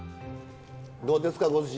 どうですかご主人。